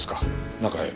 中へ。